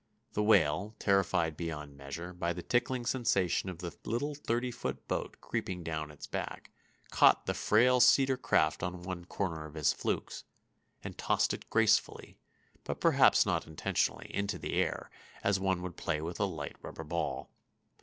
The whale, terrified beyond measure by the tickling sensation of the little thirty foot boat creeping down its back, caught the frail cedar craft on one corner of its flukes, and tossed it gracefully, but perhaps not intentionally, into the air, as one would play with a light rubber ball.